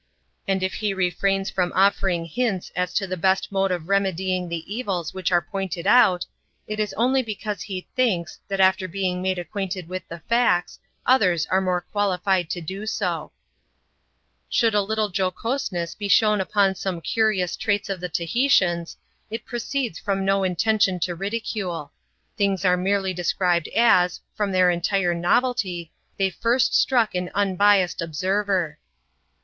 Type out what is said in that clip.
And if he refrains from offering hints as to the best mode of remedying the evils which are pointed out, it is only because he thinks, that after being made acquainted with the facts, others are better qualified to do so. Should a little jocoseness be shown upon som^ curious traits of the Tahitians, it proceeds from no intention to ridicule : things are merely described as^ from their entire novelty, they first struck an unbiassed observer.